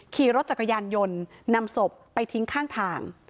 ขี่รถจักรยานยนต์นำศพไปทิ้งข้างทาง